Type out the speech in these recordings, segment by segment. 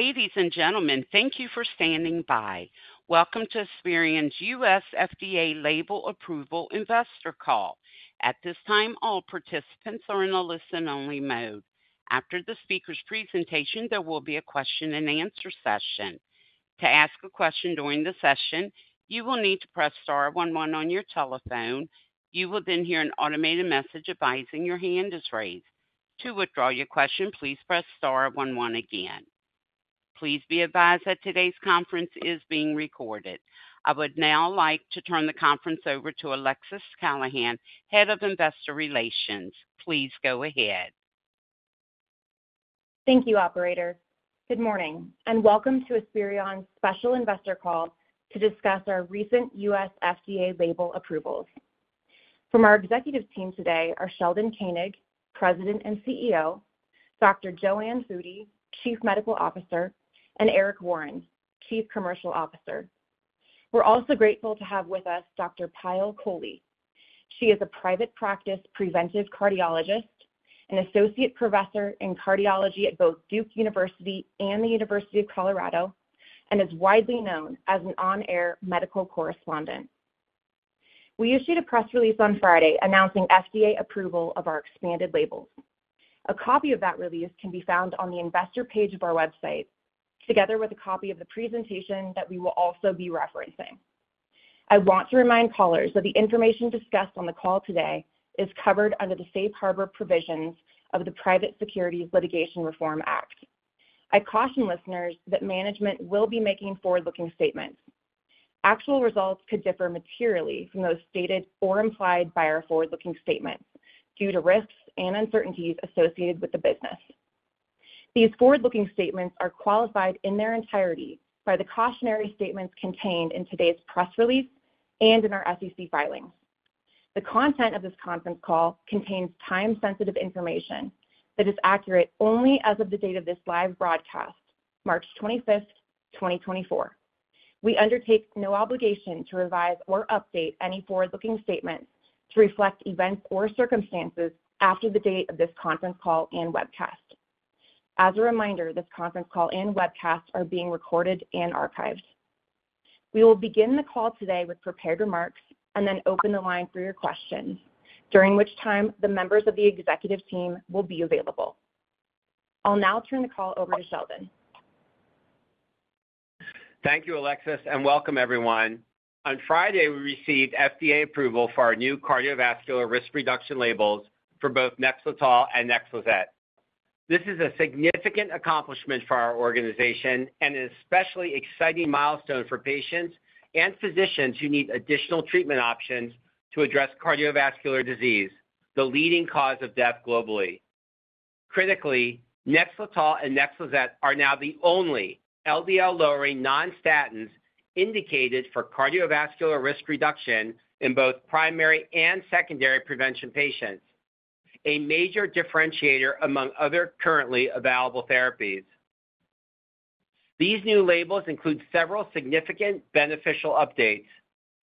Ladies and gentlemen, thank you for standing by. Welcome to Esperion's U.S. FDA Label Approval Investor Call. At this time, all participants are in a listen-only mode. After the speaker's presentation, there will be a question-and-answer session. To ask a question during the session, you will need to press star one, one on your telephone. You will then hear an automated message advising your hand is raised. To withdraw your question, please press star one, one again. Please be advised that today's conference is being recorded. I would now like to turn the conference over to Alexis Callahan, Head of Investor Relations. Please go ahead. Thank you, operator. Good morning, and welcome to Esperion's Special Investors Call to discuss our recent U.S. FDA label approvals. From our executive team today are Sheldon Koenig, President and CEO; Dr. JoAnne Foody, Chief Medical Officer; and Eric Warren, Chief Commercial Officer. We're also grateful to have with us Dr. Payal Kohli. She is a private practice preventive cardiologist, an associate professor in cardiology at both Duke University and the University of Colorado, and is widely known as an on-air medical correspondent. We issued a press release on Friday announcing FDA approval of our expanded labels. A copy of that release can be found on the investor page of our website, together with a copy of the presentation that we will also be referencing. I want to remind callers that the information discussed on the call today is covered under the Safe Harbor provisions of the Private Securities Litigation Reform Act. I caution listeners that management will be making forward-looking statements. Actual results could differ materially from those stated or implied by our forward-looking statements due to risks and uncertainties associated with the business. These forward-looking statements are qualified in their entirety by the cautionary statements contained in today's press release and in our SEC filings. The content of this conference call contains time-sensitive information that is accurate only as of the date of this live broadcast, March 25th, 2024. We undertake no obligation to revise or update any forward-looking statements to reflect events or circumstances after the date of this conference call and webcast. As a reminder, this conference call and webcast are being recorded and archived. We will begin the call today with prepared remarks and then open the line for your questions, during which time the members of the executive team will be available. I'll now turn the call over to Sheldon. Thank you, Alexis, and welcome, everyone. On Friday, we received FDA approval for our new cardiovascular risk reduction labels for both NEXLETOL and NEXLIZET. This is a significant accomplishment for our organization and an especially exciting milestone for patients and physicians who need additional treatment options to address cardiovascular disease, the leading cause of death globally. Critically, NEXLETOL and NEXLIZET are now the only LDL-lowering non-statins indicated for cardiovascular risk reduction in both primary and secondary prevention patients, a major differentiator among other currently available therapies. These new labels include several significant beneficial updates.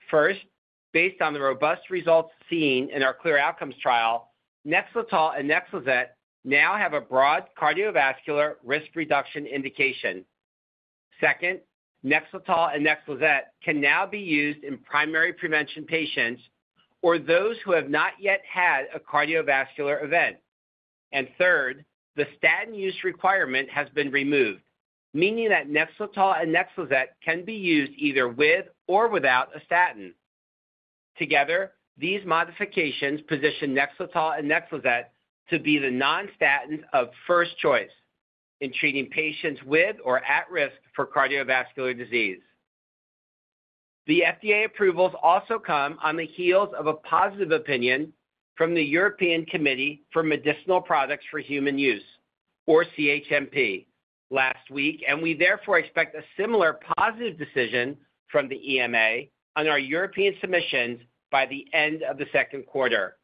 First, based on the robust results seen in our CLEAR Outcomes trial, NEXLETOL and NEXLIZET now have a broad cardiovascular risk reduction indication. Second, NEXLETOL and NEXLIZET can now be used in primary prevention patients or those who have not yet had a cardiovascular event. And third, the statin use requirement has been removed, meaning that NEXLETOL and NEXLIZET can be used either with or without a statin. Together, these modifications position NEXLETOL and NEXLIZET to be the non-statins of first choice in treating patients with or at risk for cardiovascular disease. The FDA approvals also come on the heels of a positive opinion from the European Committee for Medicinal Products for Human Use, or CHMP, last week, and we therefore expect a similar positive decision from the EMA on our European submissions by the end of the second quarter.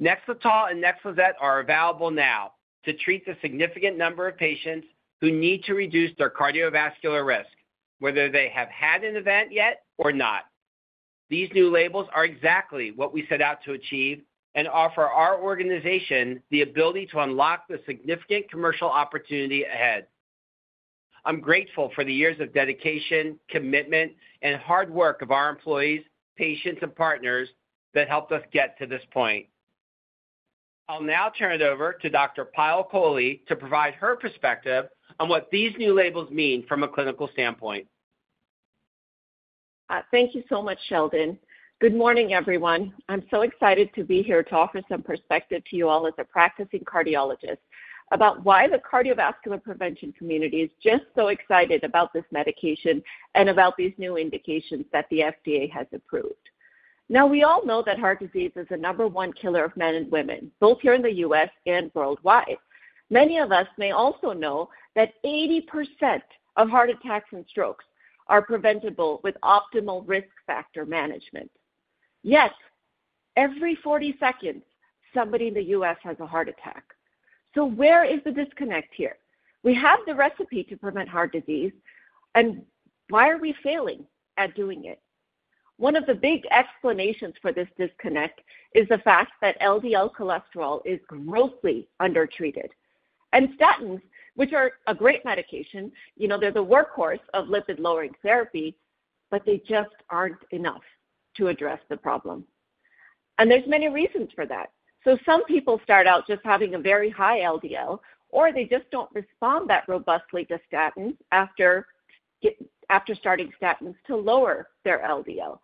NEXLETOL and NEXLIZET are available now to treat the significant number of patients who need to reduce their cardiovascular risk, whether they have had an event yet or not. These new labels are exactly what we set out to achieve and offer our organization the ability to unlock the significant commercial opportunity ahead. I'm grateful for the years of dedication, commitment, and hard work of our employees, patients, and partners that helped us get to this point. I'll now turn it over to Dr. Payal Kohli to provide her perspective on what these new labels mean from a clinical standpoint. Thank you so much, Sheldon. Good morning, everyone. I'm so excited to be here to offer some perspective to you all as a practicing cardiologist about why the cardiovascular prevention community is just so excited about this medication and about these new indications that the FDA has approved. Now, we all know that heart disease is the number one killer of men and women, both here in the U.S. and worldwide. Many of us may also know that 80% of heart attacks and strokes are preventable with optimal risk factor management. Yet, every 40 seconds, somebody in the U.S. has a heart attack. So where is the disconnect here? We have the recipe to prevent heart disease, and why are we failing at doing it? One of the big explanations for this disconnect is the fact that LDL cholesterol is grossly undertreated. Statins, which are a great medication, you know, they're the workhorse of lipid-lowering therapy, but they just aren't enough to address the problem. There's many reasons for that. Some people start out just having a very high LDL, or they just don't respond that robustly to statins after starting statins to lower their LDL.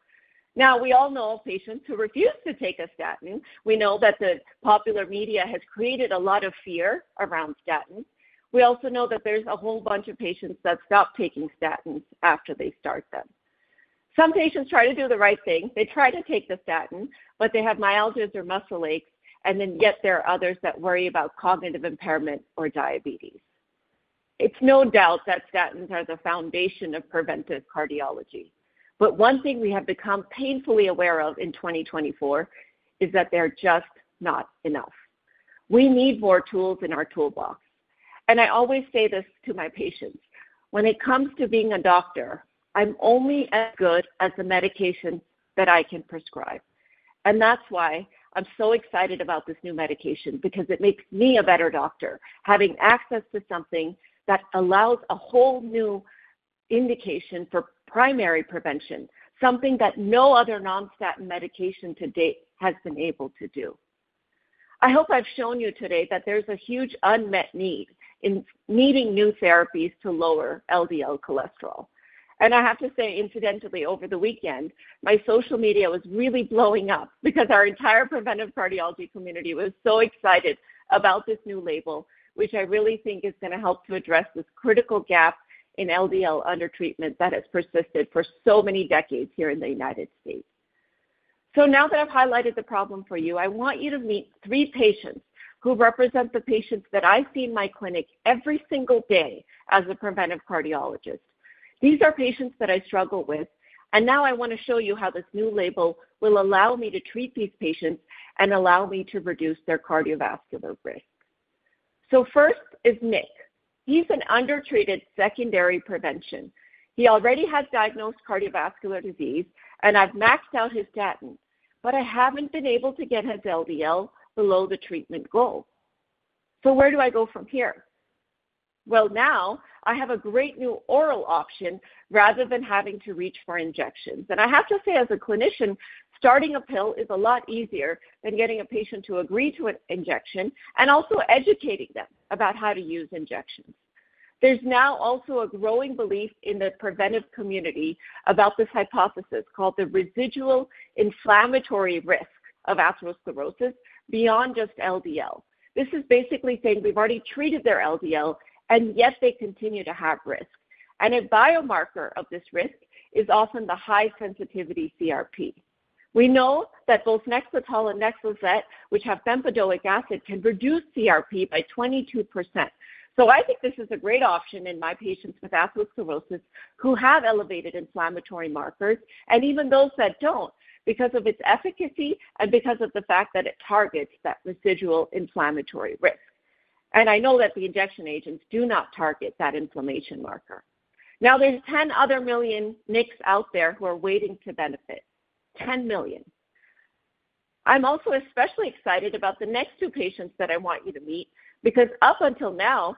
Now, we all know patients who refuse to take a statin. We know that the popular media has created a lot of fear around statins. We also know that there's a whole bunch of patients that stop taking statins after they start them. Some patients try to do the right thing. They try to take the statin, but they have myalgias or muscle aches, and then yet there are others that worry about cognitive impairment or diabetes. It's no doubt that statins are the foundation of preventive cardiology. One thing we have become painfully aware of in 2024 is that they're just not enough. We need more tools in our toolbox. I always say this to my patients: when it comes to being a doctor, I'm only as good as the medication that I can prescribe. That's why I'm so excited about this new medication, because it makes me a better doctor, having access to something that allows a whole new indication for primary prevention, something that no other non-statin medication to date has been able to do. I hope I've shown you today that there's a huge unmet need in needing new therapies to lower LDL cholesterol. I have to say, incidentally, over the weekend, my social media was really blowing up because our entire preventive cardiology community was so excited about this new label, which I really think is going to help to address this critical gap in LDL undertreatment that has persisted for so many decades here in the United States. Now that I've highlighted the problem for you, I want you to meet three patients who represent the patients that I see in my clinic every single day as a preventive cardiologist. These are patients that I struggle with, and now I want to show you how this new label will allow me to treat these patients and allow me to reduce their cardiovascular risk. First is Nick. He's an undertreated secondary prevention. He already has diagnosed cardiovascular disease, and I've maxed out his statins, but I haven't been able to get his LDL below the treatment goal. So where do I go from here? Well, now I have a great new oral option rather than having to reach for injections. And I have to say, as a clinician, starting a pill is a lot easier than getting a patient to agree to an injection and also educating them about how to use injections. There's now also a growing belief in the preventive community about this hypothesis called the residual inflammatory risk of atherosclerosis beyond just LDL. This is basically saying we've already treated their LDL, and yet they continue to have risk. And a biomarker of this risk is often the high-sensitivity CRP. We know that both NEXLETOL and NEXLIZET, which have bempedoic acid, can reduce CRP by 22%. I think this is a great option in my patients with atherosclerosis who have elevated inflammatory markers and even those that don't, because of its efficacy and because of the fact that it targets that residual inflammatory risk. I know that the injection agents do not target that inflammation marker. Now, there's 10 million other Nicks out there who are waiting to benefit—10 million. I'm also especially excited about the next two patients that I want you to meet, because up until now,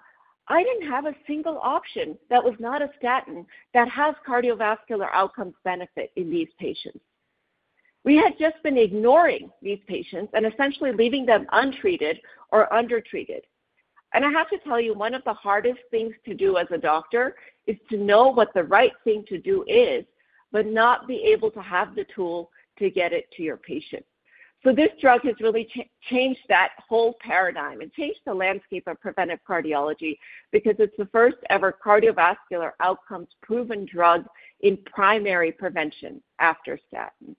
I didn't have a single option that was not a statin that has cardiovascular outcomes benefit in these patients. We had just been ignoring these patients and essentially leaving them untreated or undertreated. And I have to tell you, one of the hardest things to do as a doctor is to know what the right thing to do is, but not be able to have the tool to get it to your patient. So this drug has really changed that whole paradigm and changed the landscape of preventive cardiology because it's the first-ever cardiovascular outcomes proven drug in primary prevention after statins.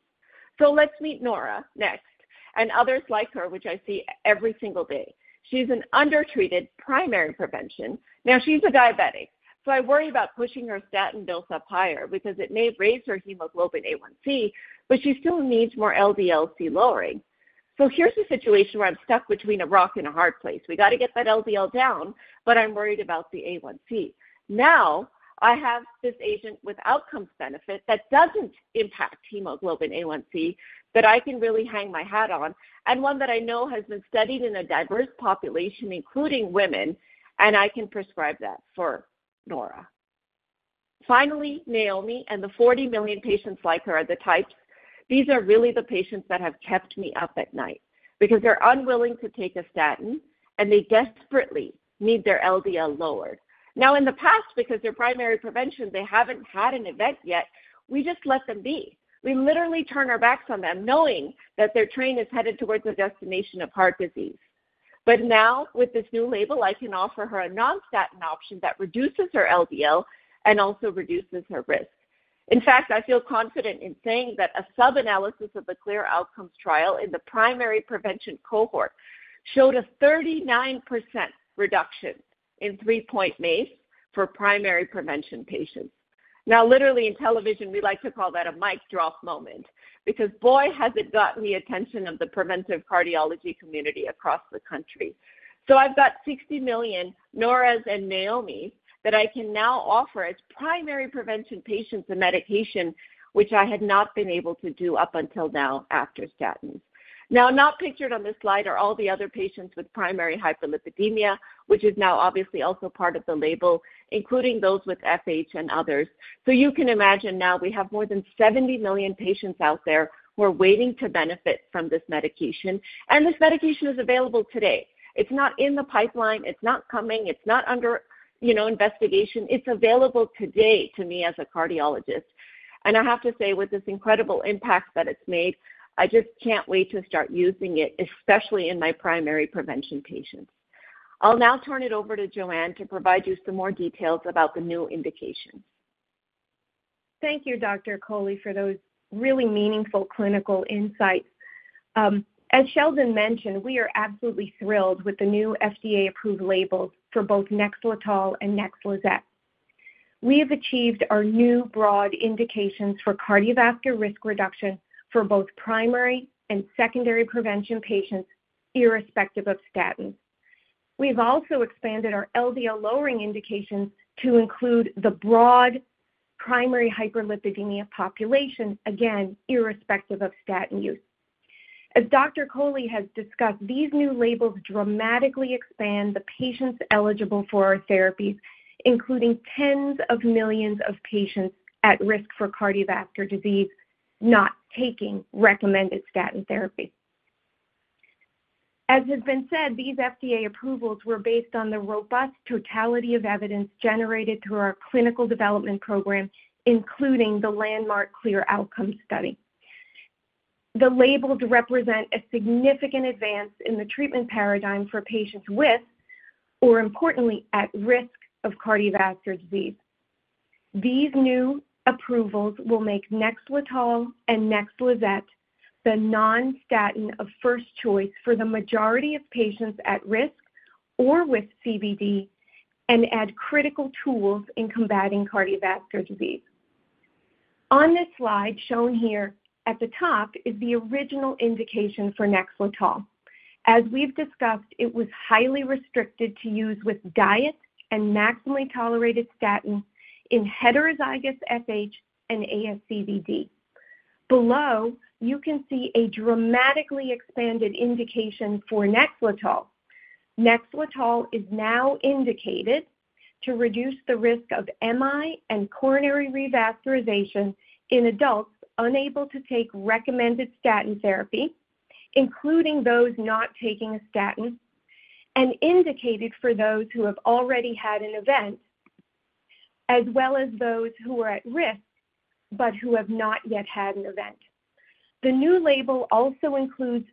So let's meet Nora, next, and others like her, which I see every single day. She's an undertreated primary prevention. Now, she's a diabetic, so I worry about pushing her statin bills up higher because it may raise her hemoglobin A1c, but she still needs more LDL-C-lowering. So here's a situation where I'm stuck between a rock and a hard place. We got to get that LDL down, but I'm worried about the A1c. Now, I have this agent with outcomes benefit that doesn't impact hemoglobin A1c that I can really hang my hat on, and one that I know has been studied in a diverse population, including women, and I can prescribe that for Nora. Finally, Naomi and the 40 million patients like her are the types, these are really the patients that have kept me up at night because they're unwilling to take a statin, and they desperately need their LDL lowered. Now, in the past, because they're primary prevention, they haven't had an event yet, we just let them be. We literally turn our backs on them, knowing that their train is headed towards the destination of heart disease. But now, with this new label, I can offer her a non-statin option that reduces her LDL and also reduces her risk. In fact, I feel confident in saying that a sub-analysis of the CLEAR Outcomes trial in the primary prevention cohort showed a 39% reduction in three-point MACE for primary prevention patients. Now, literally, in television, we like to call that a mic drop moment because, boy, has it gotten the attention of the preventive cardiology community across the country. So I've got 60 million Noras and Naomis that I can now offer as primary prevention patients a medication which I had not been able to do up until now after statins. Now, not pictured on this slide are all the other patients with primary hyperlipidemia, which is now obviously also part of the label, including those with FH and others. So you can imagine now we have more than 70 million patients out there who are waiting to benefit from this medication, and this medication is available today. It's not in the pipeline. It's not coming. It's not under, you know, investigation. It's available today to me as a cardiologist. And I have to say, with this incredible impact that it's made, I just can't wait to start using it, especially in my primary prevention patients. I'll now turn it over to JoAnne to provide you some more details about the new indications. Thank you, Dr. Kohli, for those really meaningful clinical insights. As Sheldon mentioned, we are absolutely thrilled with the new FDA-approved labels for both NEXLETOL and NEXLIZET. We have achieved our new broad indications for cardiovascular risk reduction for both primary and secondary prevention patients, irrespective of statins. We've also expanded our LDL-lowering indications to include the broad primary hyperlipidemia population, again, irrespective of statin use. As Dr. Kohli has discussed, these new labels dramatically expand the patients eligible for our therapies, including tens of millions of patients at risk for cardiovascular disease not taking recommended statin therapy. As has been said, these FDA approvals were based on the robust totality of evidence generated through our clinical development program, including the landmark CLEAR Outcomes study. The labels represent a significant advance in the treatment paradigm for patients with, or importantly, at risk of cardiovascular disease. These new approvals will make NEXLETOL and NEXLIZET the non-statin of first choice for the majority of patients at risk or with CVD and add critical tools in combating cardiovascular disease. On this slide shown here at the top is the original indication for NEXLETOL. As we've discussed, it was highly restricted to use with diet and maximally tolerated statin in Heterozygous FH and ASCVD. Below, you can see a dramatically expanded indication for NEXLETOL. NEXLETOL is now indicated to reduce the risk of MI and coronary revascularization in adults unable to take recommended statin therapy, including those not taking a statin, and indicated for those who have already had an event, as well as those who are at risk but who have not yet had an event. The new label also includes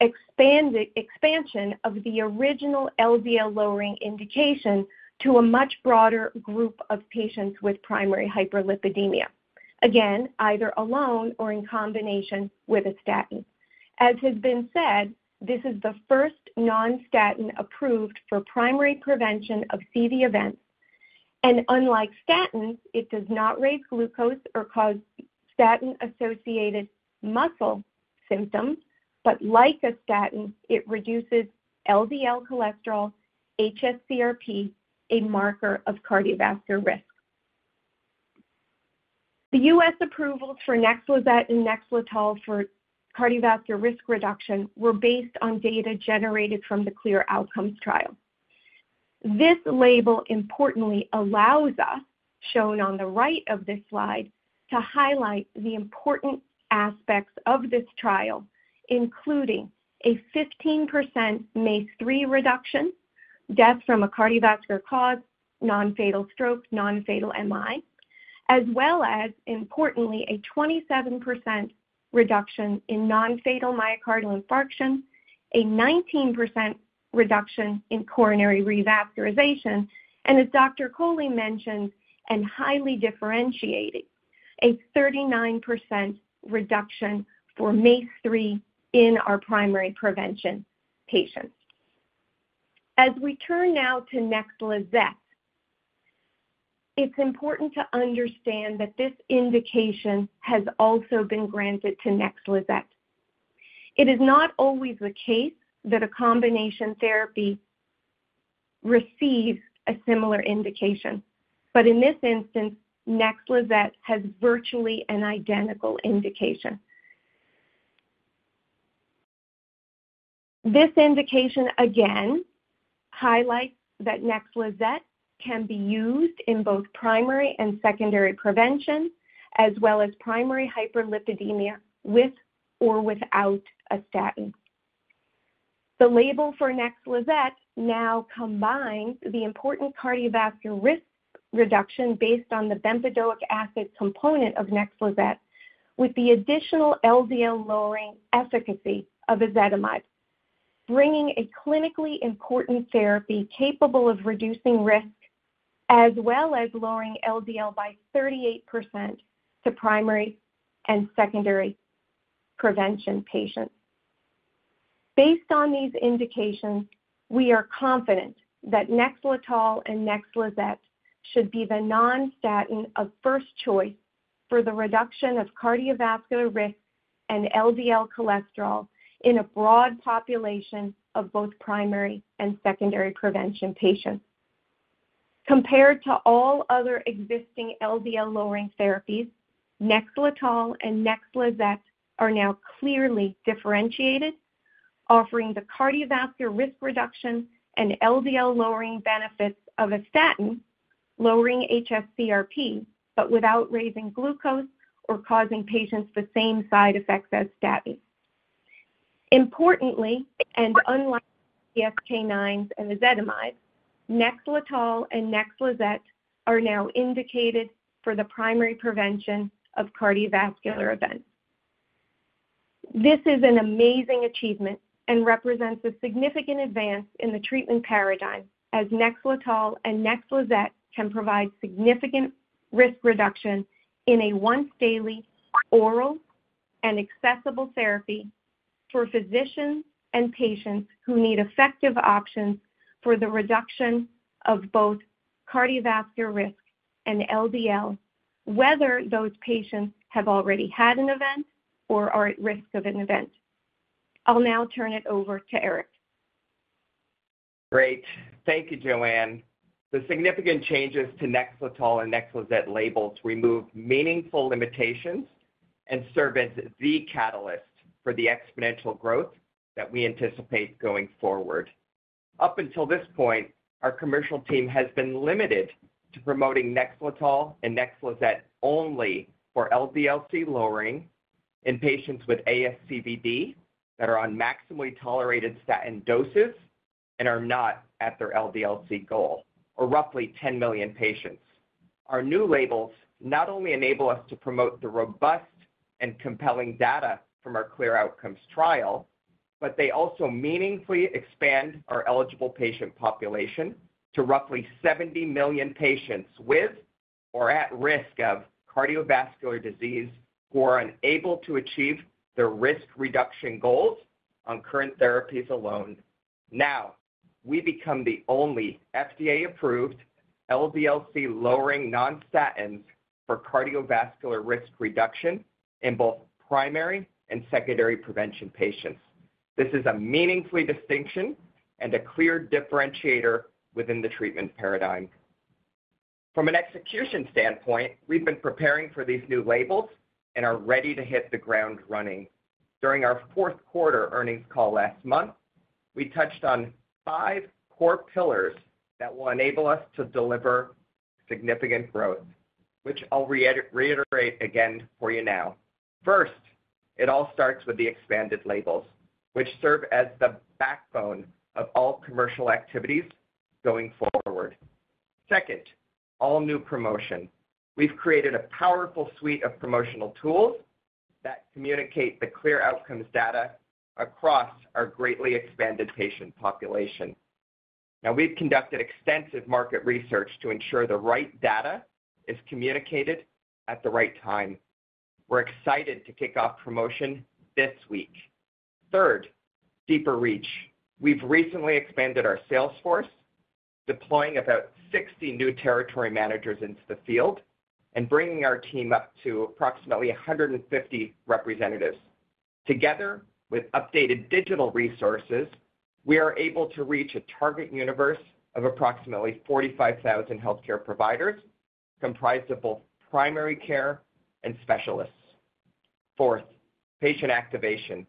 expansion of the original LDL-lowering indication to a much broader group of patients with primary hyperlipidemia, again, either alone or in combination with a statin. As has been said, this is the first non-statin approved for primary prevention of CV events. Unlike statins, it does not raise glucose or cause statin-associated muscle symptoms, but like a statin, it reduces LDL cholesterol, hsCRP, a marker of cardiovascular risk. The U.S. approvals for NEXLIZET and NEXLETOL for cardiovascular risk reduction were based on data generated from the CLEAR Outcomes trial. This label, importantly, allows us, shown on the right of this slide, to highlight the important aspects of this trial, including a 15% MACE-3 reduction: death from a cardiovascular cause, non-fatal stroke, non-fatal MI, as well as, importantly, a 27% reduction in non-fatal myocardial infarction, a 19% reduction in coronary revascularization, and, as Dr. Kohli mentioned and highly differentiated, a 39% reduction for MACE-3 in our primary prevention patients. As we turn now to NEXLIZET, it's important to understand that this indication has also been granted to NEXLIZET. It is not always the case that a combination therapy receives a similar indication, but in this instance, NEXLIZET has virtually an identical indication. This indication, again, highlights that NEXLIZET can be used in both primary and secondary prevention, as well as primary hyperlipidemia with or without a statin. The label for NEXLIZET now combines the important cardiovascular risk reduction based on the bempedoic acid component of NEXLIZET with the additional LDL-lowering efficacy of ezetimibe, bringing a clinically important therapy capable of reducing risk, as well as lowering LDL by 38% to primary and secondary prevention patients. Based on these indications, we are confident that NEXLETOL and NEXLIZET should be the non-statin of first choice for the reduction of cardiovascular risk and LDL cholesterol in a broad population of both primary and secondary prevention patients. Compared to all other existing LDL-lowering therapies, NEXLETOL and NEXLIZET are now clearly differentiated, offering the cardiovascular risk reduction and LDL-lowering benefits of a statin, lowering hsCRP but without raising glucose or causing patients the same side effects as statins. Importantly, and unlike PCSK9s and ezetimibe, NEXLETOL and NEXLIZET are now indicated for the primary prevention of cardiovascular events. This is an amazing achievement and represents a significant advance in the treatment paradigm, as NEXLETOL and NEXLIZET can provide significant risk reduction in a once-daily, oral, and accessible therapy for physicians and patients who need effective options for the reduction of both cardiovascular risk and LDL, whether those patients have already had an event or are at risk of an event. I'll now turn it over to Eric. Great. Thank you, JoAnne. The significant changes to NEXLETOL and NEXLIZET labels remove meaningful limitations and serve as the catalyst for the exponential growth that we anticipate going forward. Up until this point, our commercial team has been limited to promoting NEXLETOL and NEXLIZET only for LDL-C-lowering in patients with ASCVD that are on maximally tolerated statin doses and are not at their LDL-C goal, or roughly 10 million patients. Our new labels not only enable us to promote the robust and compelling data from our CLEAR Outcomes trial, but they also meaningfully expand our eligible patient population to roughly 70 million patients with or at risk of cardiovascular disease who are unable to achieve their risk reduction goals on current therapies alone. Now, we become the only FDA-approved LDL-C-lowering non-statins for cardiovascular risk reduction in both primary and secondary prevention patients. This is a meaningful distinction and a clear differentiator within the treatment paradigm. From an execution standpoint, we've been preparing for these new labels and are ready to hit the ground running. During our fourth quarter earnings call last month, we touched on five core pillars that will enable us to deliver significant growth, which I'll reiterate again for you now. First, it all starts with the expanded labels, which serve as the backbone of all commercial activities going forward. Second, all new promotion. We've created a powerful suite of promotional tools that communicate the CLEAR Outcomes data across our greatly expanded patient population. Now, we've conducted extensive market research to ensure the right data is communicated at the right time. We're excited to kick off promotion this week. Third, deeper reach. We've recently expanded our sales force, deploying about 60 new territory managers into the field and bringing our team up to approximately 150 representatives. Together with updated digital resources, we are able to reach a target universe of approximately 45,000 healthcare providers comprised of both primary care and specialists. Fourth, patient activation.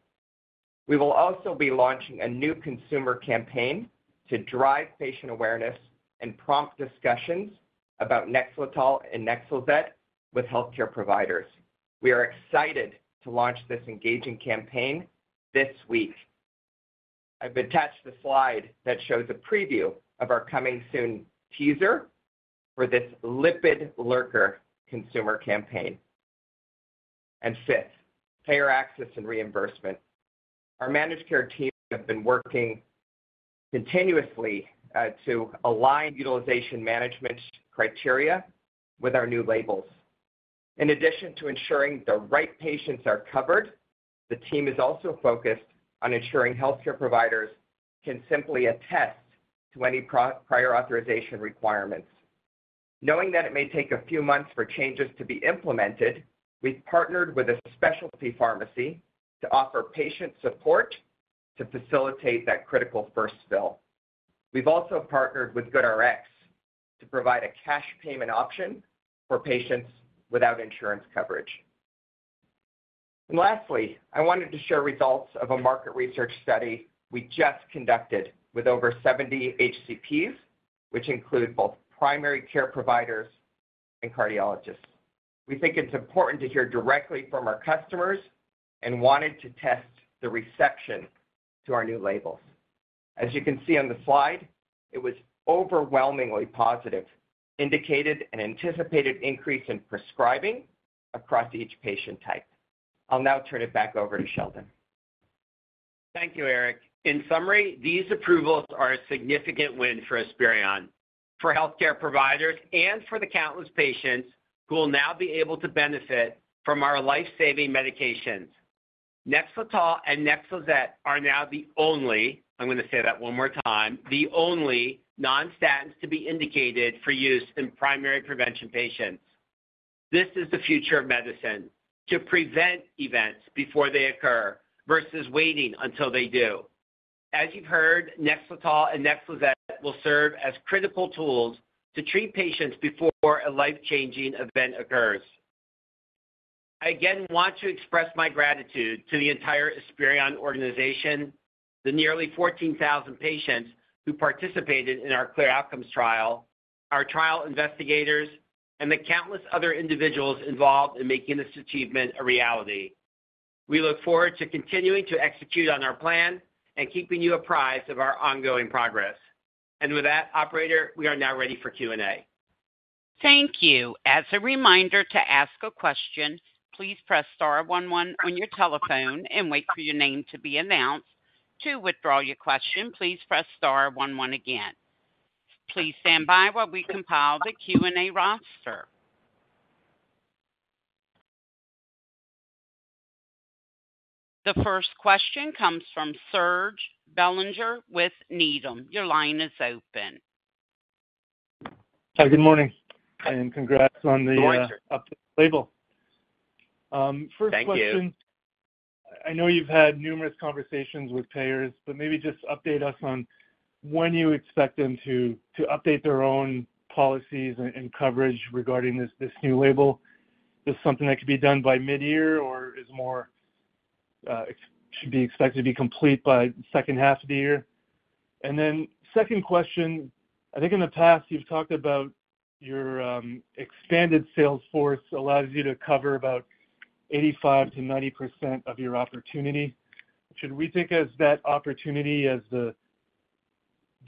We will also be launching a new consumer campaign to drive patient awareness and prompt discussions about NEXLETOL and NEXLIZET with healthcare providers. We are excited to launch this engaging campaign this week. I've attached the slide that shows a preview of our coming soon teaser for this Lipid Lurker consumer campaign. And fifth, payer access and reimbursement. Our managed care team has been working continuously to align utilization management criteria with our new labels. In addition to ensuring the right patients are covered, the team is also focused on ensuring healthcare providers can simply attest to any prior authorization requirements. Knowing that it may take a few months for changes to be implemented, we've partnered with a specialty pharmacy to offer patient support to facilitate that critical first fill. We've also partnered with GoodRx to provide a cash payment option for patients without insurance coverage. And lastly, I wanted to share results of a market research study we just conducted with over 70 HCPs, which include both primary care providers and cardiologists. We think it's important to hear directly from our customers and wanted to test the reception to our new labels. As you can see on the slide, it was overwhelmingly positive, indicated an anticipated increase in prescribing across each patient type. I'll now turn it back over to Sheldon. Thank you, Eric. In summary, these approvals are a significant win for Esperion, for healthcare providers, and for the countless patients who will now be able to benefit from our lifesaving medications. NEXLETOL and NEXLIZET are now the only - I'm going to say that one more time - the only non-statins to be indicated for use in primary prevention patients. This is the future of medicine: to prevent events before they occur versus waiting until they do. As you've heard, NEXLETOL and NEXLIZET will serve as critical tools to treat patients before a life-changing event occurs. I again want to express my gratitude to the entire Esperion organization, the nearly 14,000 patients who participated in our CLEAR Outcomes trial, our trial investigators, and the countless other individuals involved in making this achievement a reality. We look forward to continuing to execute on our plan and keeping you apprised of our ongoing progress. With that, operator, we are now ready for Q&A. Thank you. As a reminder to ask a question, please press star, one, one on your telephone and wait for your name to be announced. To withdraw your question, please press star, one, one again. Please stand by while we compile the Q&A roster. The first question comes from Serge Belanger with Needham. Your line is open. Hi, good morning. Congrats on the updated label. First question. Thank you. I know you've had numerous conversations with payers, but maybe just update us on when you expect them to update their own policies and coverage regarding this new label. Is this something that could be done by mid-year, or should it be expected to be complete by the second half of the year? And then second question, I think in the past you've talked about your expanded sales force allows you to cover about 85%-90% of your opportunity. Should we think of that opportunity as the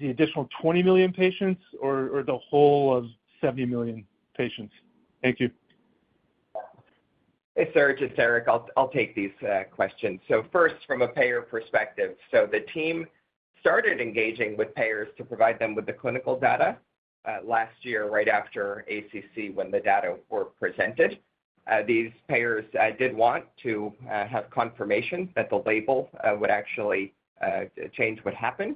additional 20 million patients or the whole of 70 million patients? Thank you. Hey, Serge. It's Eric. I'll take these questions. So first, from a payer perspective, the team started engaging with payers to provide them with the clinical data last year, right after ACC, when the data were presented. These payers did want to have confirmation that the label would actually change what happened.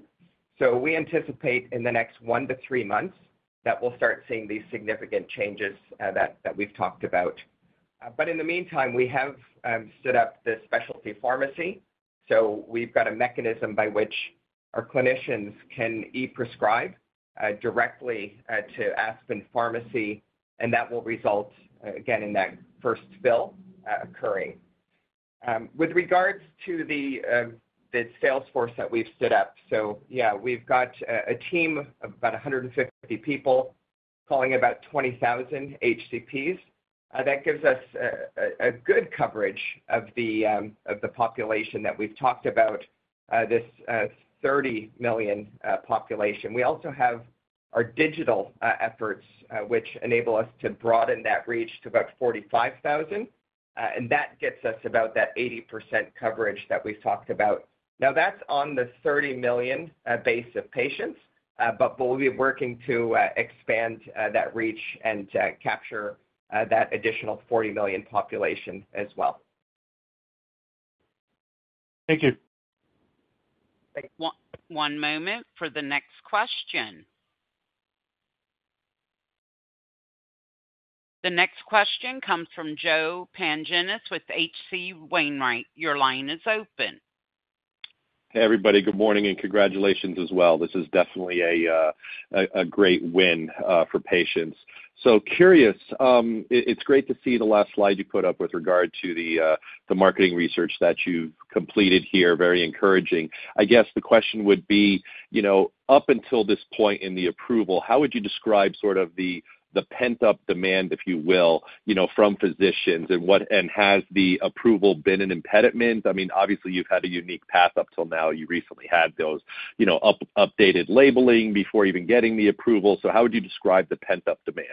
So we anticipate in the next one to three months that we'll start seeing these significant changes that we've talked about. But in the meantime, we have stood up the specialty pharmacy. So we've got a mechanism by which our clinicians can e-prescribe directly to ASPN Pharmacies, and that will result, again, in that first fill occurring. With regards to the sales force that we've stood up, so yeah, we've got a team of about 150 people calling about 20,000 HCPs. That gives us a good coverage of the population that we've talked about, this 30 million population. We also have our digital efforts, which enable us to broaden that reach to about 45,000, and that gets us about that 80% coverage that we've talked about. Now, that's on the 30 million base of patients, but we'll be working to expand that reach and capture that additional 40 million population as well. Thank you. One moment for the next question. The next question comes from Joe Pantginis with H.C. Wainwright. Your line is open. Hey, everybody. Good morning and congratulations as well. This is definitely a great win for patients. So curious, it's great to see the last slide you put up with regard to the marketing research that you've completed here. Very encouraging. I guess the question would be, up until this point in the approval, how would you describe sort of the pent-up demand, if you will, from physicians? And has the approval been an impediment? I mean, obviously, you've had a unique path up till now. You recently had those updated labeling before even getting the approval. So how would you describe the pent-up demand?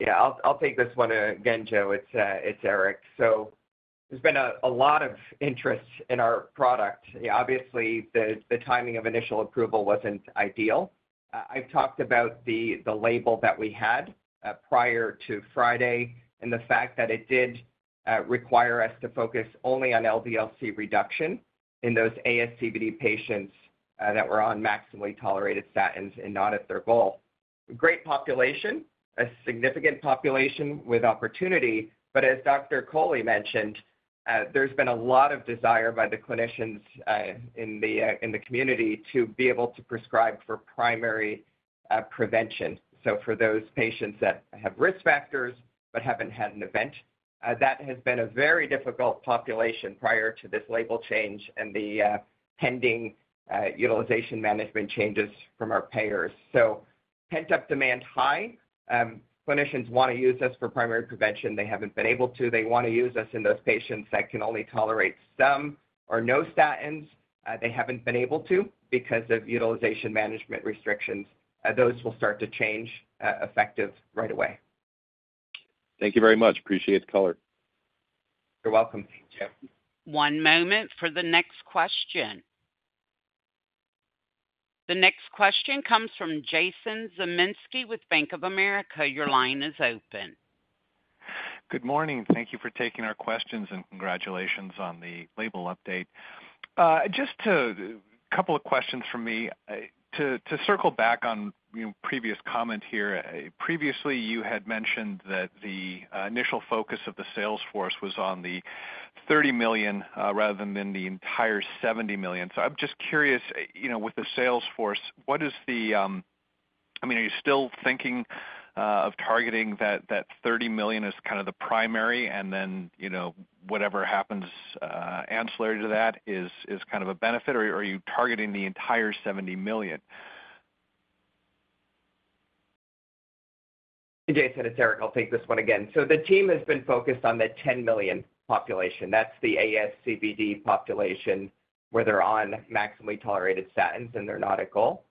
Yeah, I'll take this one again, Joe. It's Eric. So there's been a lot of interest in our product. Obviously, the timing of initial approval wasn't ideal. I've talked about the label that we had prior to Friday and the fact that it did require us to focus only on LDL-C reduction in those ASCVD patients that were on maximally tolerated statins and not at their goal. Great population, a significant population with opportunity, but as Dr. Kohli mentioned, there's been a lot of desire by the clinicians in the community to be able to prescribe for primary prevention. So for those patients that have risk factors but haven't had an event, that has been a very difficult population prior to this label change and the pending utilization management changes from our payers. So pent-up demand high. Clinicians want to use us for primary prevention. They haven't been able to. They want to use us in those patients that can only tolerate some or no statins. They haven't been able to because of utilization management restrictions. Those will start to change effective right away. Thank you very much. Appreciate the color. You're welcome. One moment for the next question. The next question comes from Jason Zemansky with Bank of America. Your line is open. Good morning. Thank you for taking our questions and congratulations on the label update. Just a couple of questions from me. To circle back on previous comment here, previously, you had mentioned that the initial focus of the sales force was on the 30 million rather than the entire 70 million. So I'm just curious, with the sales force, what is the—I mean, are you still thinking of targeting that 30 million as kind of the primary, and then whatever happens ancillary to that is kind of a benefit, or are you targeting the entire 70 million? Jason, it's Eric. I'll take this one again. So the team has been focused on the 10 million population. That's the ASCVD population where they're on maximally tolerated statins, and they're not at goal.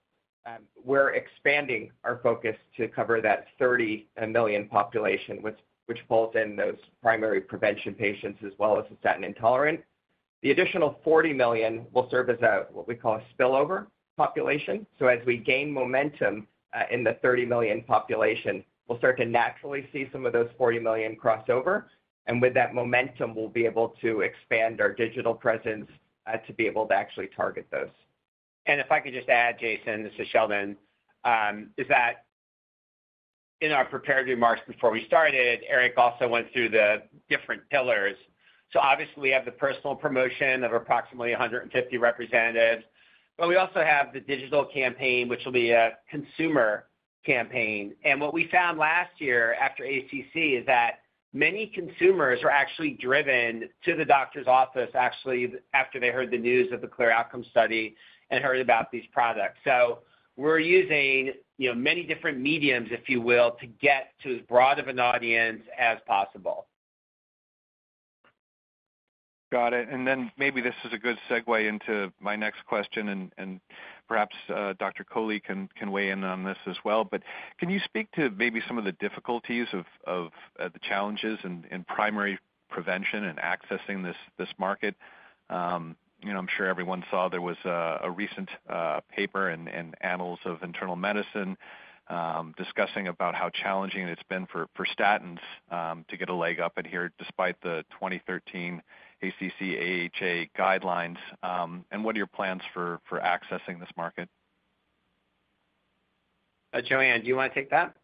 We're expanding our focus to cover that 30 million population, which pulls in those primary prevention patients as well as the statin intolerant. The additional 40 million will serve as what we call a spillover population. So as we gain momentum in the 30 million population, we'll start to naturally see some of those 40 million cross over, and with that momentum, we'll be able to expand our digital presence to be able to actually target those. And if I could just add, Jason, this is Sheldon. As in our prepared remarks before we started, Eric also went through the different pillars. So obviously, we have the personal promotion of approximately 150 representatives, but we also have the digital campaign, which will be a consumer campaign. And what we found last year after ACC is that many consumers were actually driven to the doctor's office actually after they heard the news of the CLEAR Outcomes study and heard about these products. So we're using many different mediums, if you will, to get to as broad of an audience as possible. Got it. Then maybe this is a good segue into my next question, and perhaps Dr. Kohli can weigh in on this as well. But can you speak to maybe some of the difficulties of the challenges in primary prevention and accessing this market? I'm sure everyone saw there was a recent paper in Annals of Internal Medicine discussing about how challenging it's been for statins to get a leg up in here despite the 2013 ACC/AHA guidelines. And what are your plans for accessing this market? Joanne, do you want to take that?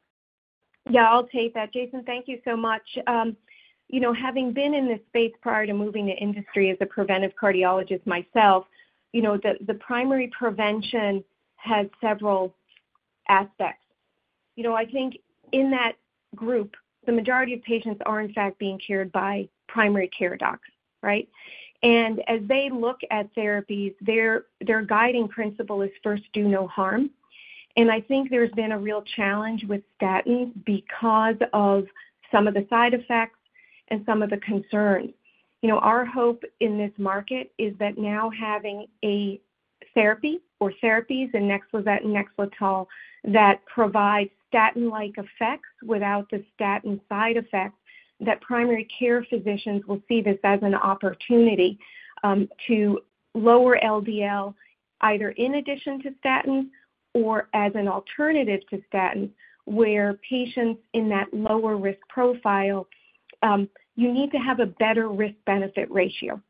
Yeah, I'll take that. Jason, thank you so much. Having been in this space prior to moving to industry as a preventive cardiologist myself, the primary prevention has several aspects. I think in that group, the majority of patients are, in fact, being cared for by primary care docs, right? And as they look at therapies, their guiding principle is first do no harm. And I think there's been a real challenge with statins because of some of the side effects and some of the concerns. Our hope in this market is that now having a therapy or therapies and NEXLIZET and NEXLETOL that provide statin-like effects without the statin side effects, that primary care physicians will see this as an opportunity to lower LDL either in addition to statins or as an alternative to statins where patients in that lower risk profile, you need to have a better risk-benefit ratio.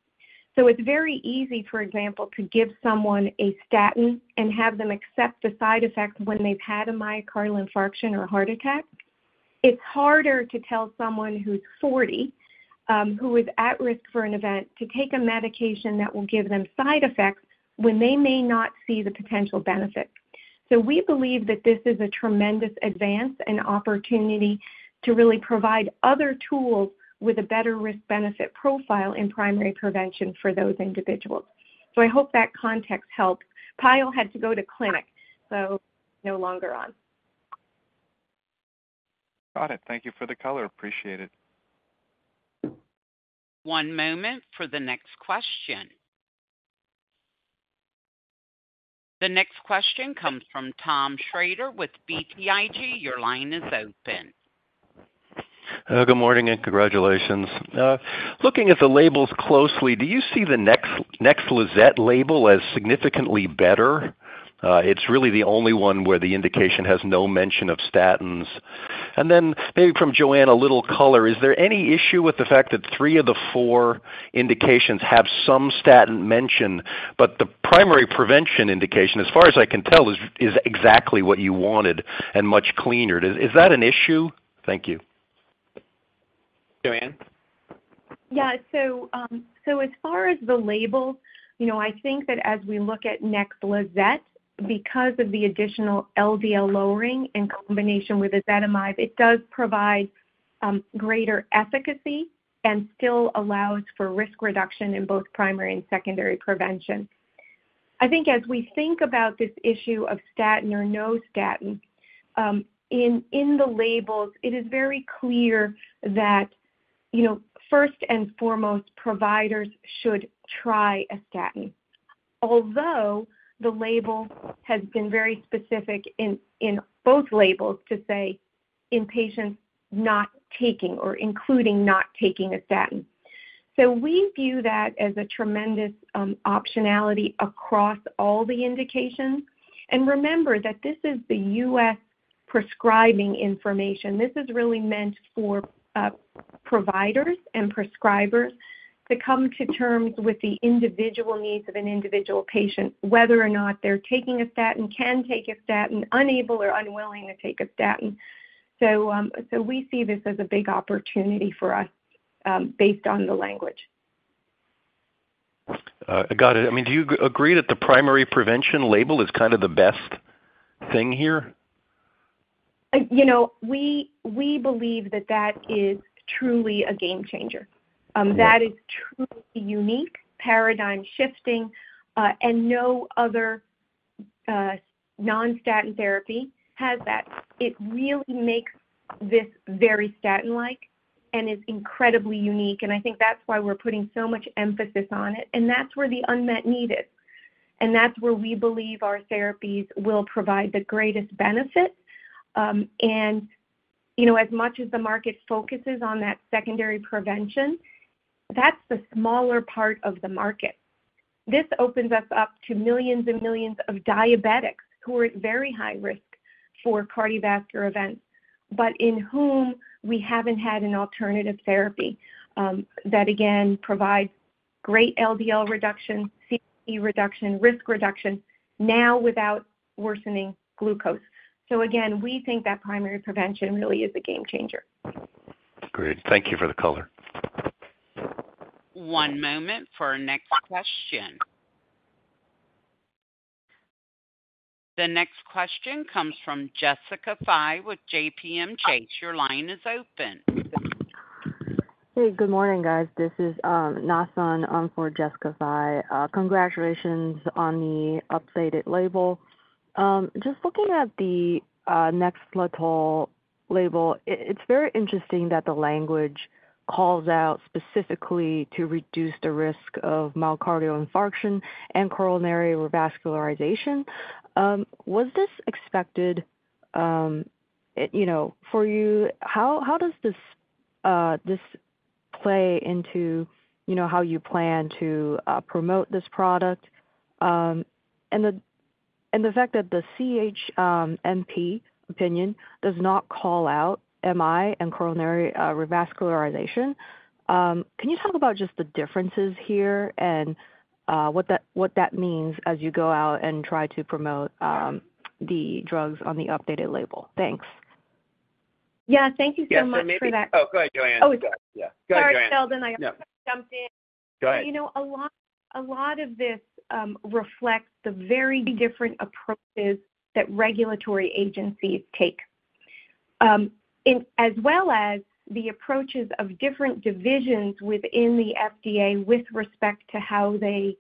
So it's very easy, for example, to give someone a statin and have them accept the side effects when they've had a myocardial infarction or a heart attack. It's harder to tell someone who's 40, who is at risk for an event, to take a medication that will give them side effects when they may not see the potential benefit. So we believe that this is a tremendous advance and opportunity to really provide other tools with a better risk-benefit profile in primary prevention for those individuals. So I hope that context helps. Payal had to go to clinic, so no longer on. Got it. Thank you for the color. Appreciate it. One moment for the next question. The next question comes from Tom Shrader from BTIG. Your line is open. Good morning and congratulations. Looking at the labels closely, do you see the NEXLIZET label as significantly better? It's really the only one where the indication has no mention of statins. And then maybe from Joanne, a little color, is there any issue with the fact that three of the four indications have some statin mention, but the primary prevention indication, as far as I can tell, is exactly what you wanted and much cleaner? Is that an issue? Thank you. Joanne? Yeah. So as far as the label, I think that as we look at NEXLIZET, because of the additional LDL lowering in combination with ezetimibe, it does provide greater efficacy and still allows for risk reduction in both primary and secondary prevention. I think as we think about this issue of statin or no statin, in the labels, it is very clear that first and foremost, providers should try a statin, although the label has been very specific in both labels to say in patients not taking or including not taking a statin. So we view that as a tremendous optionality across all the indications. And remember that this is the U.S. prescribing information. This is really meant for providers and prescribers to come to terms with the individual needs of an individual patient, whether or not they're taking a statin, can take a statin, unable or unwilling to take a statin. So we see this as a big opportunity for us based on the language. Got it. I mean, do you agree that the primary prevention label is kind of the best thing here? We believe that that is truly a game changer. That is truly unique, paradigm-shifting, and no other non-statin therapy has that. It really makes this very statin-like and is incredibly unique. And I think that's why we're putting so much emphasis on it. And that's where the unmet need is. And that's where we believe our therapies will provide the greatest benefit. And as much as the market focuses on that secondary prevention, that's the smaller part of the market. This opens us up to millions and millions of diabetics who are at very high risk for cardiovascular events but in whom we haven't had an alternative therapy that, again, provides great LDL reduction, CKD reduction, risk reduction, now without worsening glucose. So again, we think that primary prevention really is a game changer. Great. Thank you for the color. One moment for our next question. The next question comes from Jessica Fye with JPMorgan. Your line is open. Hey, good morning, guys. This is Na Sun for Jessica Fye. Congratulations on the updated label. Just looking at the NEXLETOL label, it's very interesting that the language calls out specifically to reduce the risk of myocardial infarction and coronary revascularization. Was this expected for you? How does this play into how you plan to promote this product? And the fact that the CHMP opinion does not call out MI and coronary revascularization, can you talk about just the differences here and what that means as you go out and try to promote the drugs on the updated label? Thanks. Yeah, thank you so much for that. Yeah, so maybe, oh, go ahead, Joanne. Oh, sorry. Yeah. Go ahead, Joanne. All right, Sheldon. I jumped in. Go ahead. A lot of this reflects the very different approaches that regulatory agencies take, as well as the approaches of different divisions within the FDA with respect to how they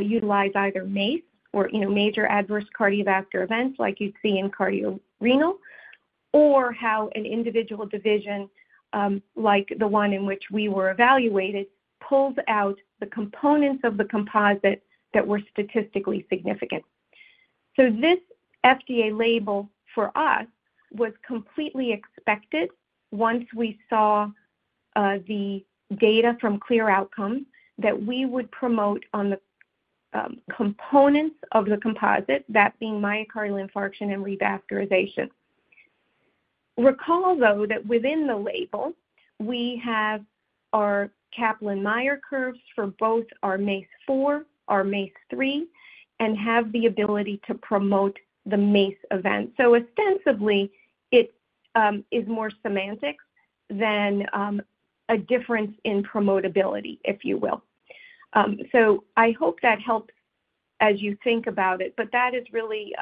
utilize either MACE or major adverse cardiovascular events like you'd see in cardiorenal, or how an individual division like the one in which we were evaluated pulls out the components of the composite that were statistically significant. So this FDA label for us was completely expected once we saw the data from CLEAR Outcomes that we would promote on the components of the composite, that being myocardial infarction and revascularization. Recall, though, that within the label, we have our Kaplan-Meier curves for both our MACE-4, our MACE-3, and have the ability to promote the MACE event. So ostensibly, it is more semantics than a difference in promotability, if you will. So I hope that helps as you think about it, but that is really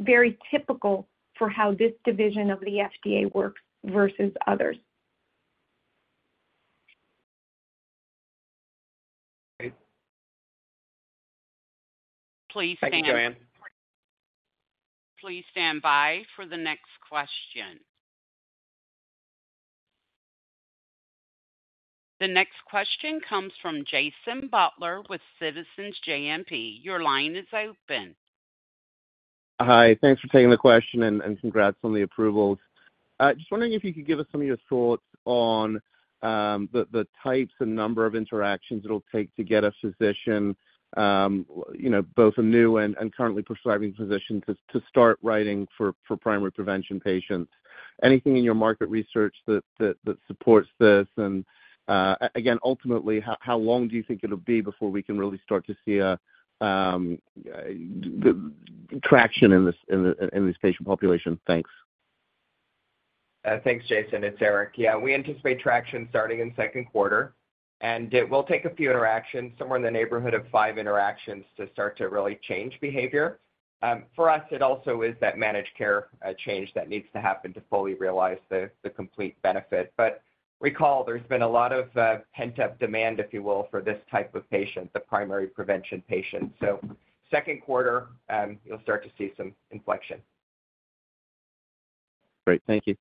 very typical for how this division of the FDA works versus others. Please stand. Thank you, Joanne. Please stand by for the next question. The next question comes from Jason Butler with Citizens JMP. Your line is open. Hi. Thanks for taking the question and congrats on the approvals. Just wondering if you could give us some of your thoughts on the types and number of interactions it'll take to get a physician, both a new and currently prescribing physician, to start writing for primary prevention patients. Anything in your market research that supports this? And again, ultimately, how long do you think it'll be before we can really start to see traction in this patient population? Thanks. Thanks, Jason. It's Eric. Yeah, we anticipate traction starting in second quarter, and we'll take a few interactions, somewhere in the neighborhood of five interactions, to start to really change behavior. For us, it also is that managed care change that needs to happen to fully realize the complete benefit. But recall, there's been a lot of pent-up demand, if you will, for this type of patient, the primary prevention patient. So second quarter, you'll start to see some inflection. Great. Thank you.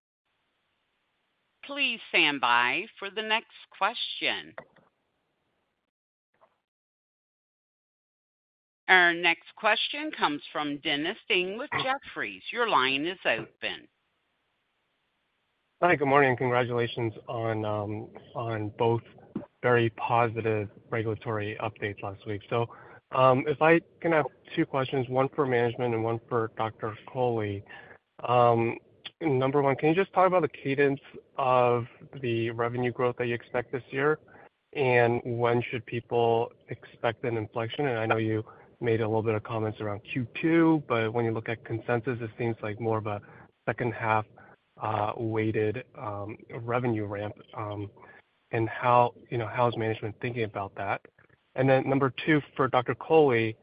Please stand by for the next question. Our next question comes from Dennis Ding with Jefferies. Your line is open. Hi. Good morning and congratulations on both very positive regulatory updates last week. So if I can have two questions, one for management and one for Dr. Kohli. Number one, can you just talk about the cadence of the revenue growth that you expect this year? And when should people expect an inflection? And I know you made a little bit of comments around Q2, but when you look at consensus, it seems like more of a second-half-weighted revenue ramp. And how is management thinking about that? And then number two, for Dr. Kohli,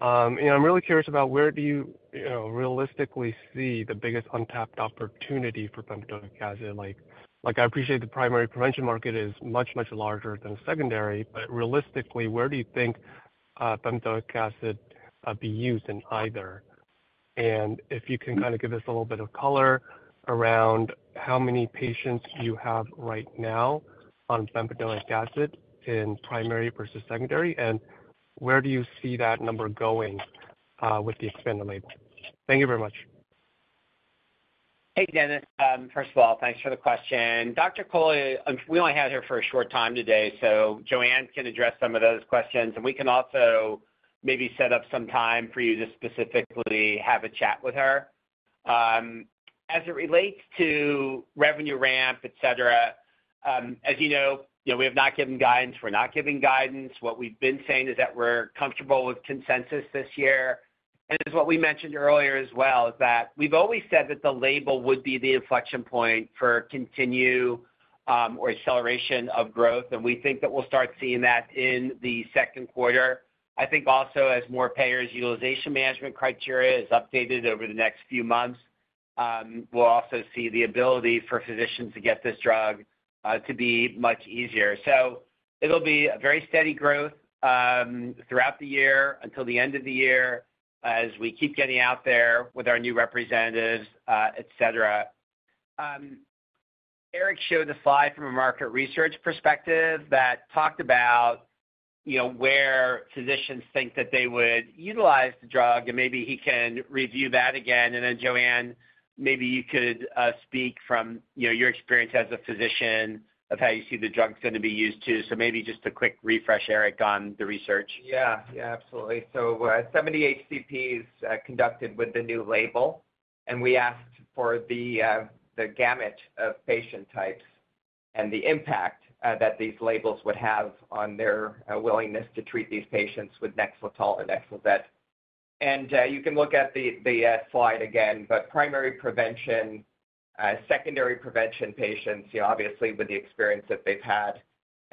I'm really curious about where do you realistically see the biggest untapped opportunity for bempedoic acid? I appreciate the primary prevention market is much, much larger than secondary, but realistically, where do you think bempedoic acid be used in either? If you can kind of give us a little bit of color around how many patients you have right now on bempedoic acid in primary versus secondary, and where do you see that number going with the expanded label? Thank you very much. Hey, Dennis. First of all, thanks for the question. Dr. Kohli, we only had her for a short time today, so Joanne can address some of those questions. We can also maybe set up some time for you to specifically have a chat with her. As it relates to revenue ramp, etc., as you know, we have not given guidance. We're not giving guidance. What we've been saying is that we're comfortable with consensus this year. And as what we mentioned earlier as well, is that we've always said that the label would be the inflection point for continue or acceleration of growth. We think that we'll start seeing that in the second quarter. I think also as more payers' utilization management criteria is updated over the next few months, we'll also see the ability for physicians to get this drug to be much easier. So it'll be a very steady growth throughout the year until the end of the year as we keep getting out there with our new representatives, etc. Eric showed a slide from a market research perspective that talked about where physicians think that they would utilize the drug. Maybe he can review that again. Then, Joanne, maybe you could speak from your experience as a physician of how you see the drug going to be used too. So maybe just a quick refresh, Eric, on the research. Yeah. Yeah, absolutely. So 78 CPs conducted with the new label. We asked for the gamut of patient types and the impact that these labels would have on their willingness to treat these patients with NEXLETOL and NEXLIZET. You can look at the slide again, but primary prevention, secondary prevention patients, obviously, with the experience that they've had,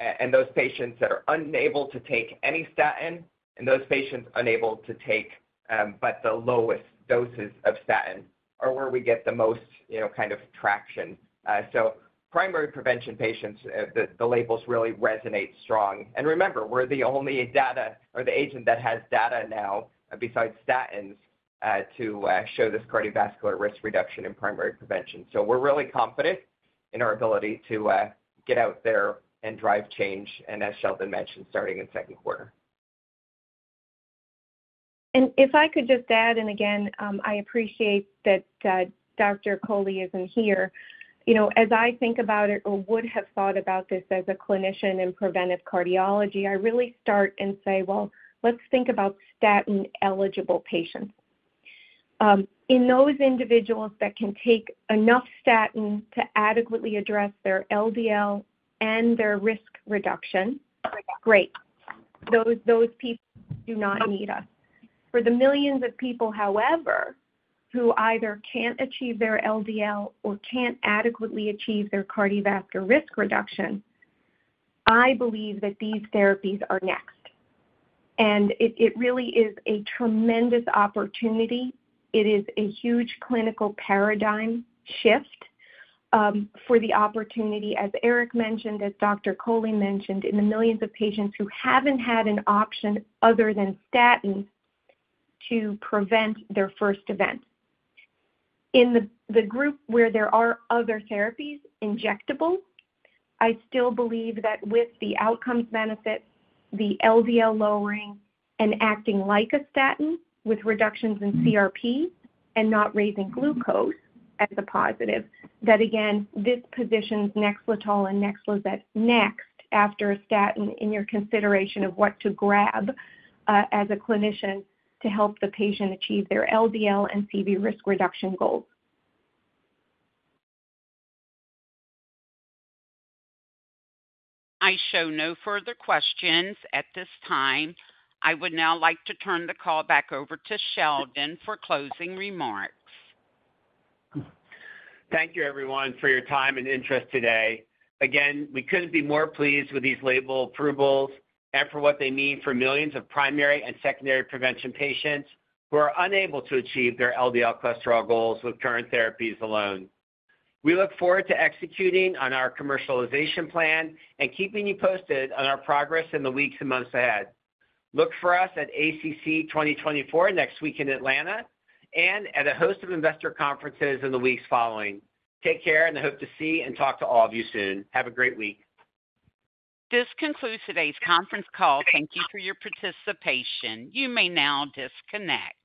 and those patients that are unable to take any statin, and those patients unable to take but the lowest doses of statin are where we get the most kind of traction. So primary prevention patients, the labels really resonate strong. And remember, we're the only data or the agent that has data now besides statins to show this cardiovascular risk reduction in primary prevention. So we're really confident in our ability to get out there and drive change, and as Sheldon mentioned, starting in second quarter. And if I could just add, and again, I appreciate that Dr. Kohli isn't here. As I think about it or would have thought about this as a clinician in preventive cardiology, I really start and say, "Well, let's think about statin-eligible patients." In those individuals that can take enough statin to adequately address their LDL and their risk reduction, great. Those people do not need us. For the millions of people, however, who either can't achieve their LDL or can't adequately achieve their cardiovascular risk reduction, I believe that these therapies are next. And it really is a tremendous opportunity. It is a huge clinical paradigm shift for the opportunity, as Eric mentioned, as Dr. Kohli mentioned, in the millions of patients who haven't had an option other than statin to prevent their first event. In the group where there are other therapies, injectable, I still believe that with the outcomes benefit, the LDL lowering and acting like a statin with reductions in CRP and not raising glucose as a positive, that, again, this positions NEXLETOL and NEXLIZET next after a statin in your consideration of what to grab as a clinician to help the patient achieve their LDL and CV risk reduction goals. I show no further questions at this time. I would now like to turn the call back over to Sheldon for closing remarks. Thank you, everyone, for your time and interest today. Again, we couldn't be more pleased with these label approvals and for what they mean for millions of primary and secondary prevention patients who are unable to achieve their LDL cholesterol goals with current therapies alone. We look forward to executing on our commercialization plan and keeping you posted on our progress in the weeks and months ahead. Look for us at ACC 2024 next week in Atlanta and at a host of investor conferences in the weeks following. Take care, and I hope to see and talk to all of you soon. Have a great week. This concludes today's conference call. Thank you for your participation. You may now disconnect.